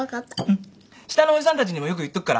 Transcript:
うん下のおじさんたちにもよく言っとくから。